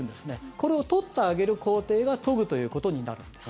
これを取ってあげる工程が研ぐということになるんです。